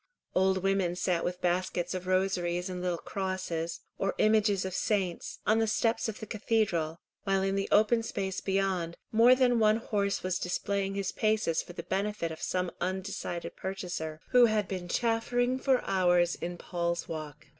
Old women sat with baskets of rosaries and little crosses, or images of saints, on the steps of the cathedral, while in the open space beyond, more than one horse was displaying his paces for the benefit of some undecided purchaser, who had been chaffering for hours in Paul's Walk.